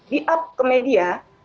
di up ke media